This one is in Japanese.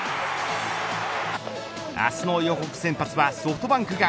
明日の予告先発はソフトバンクが